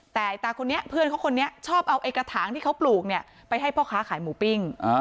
แต่ตาคนนี้เพื่อนเขาคนนี้ชอบเอาไอ้กระถางที่เขาปลูกเนี่ยไปให้พ่อค้าขายหมูปิ้ง